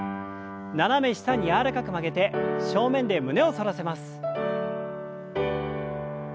斜め下に柔らかく曲げて正面で胸を反らせます。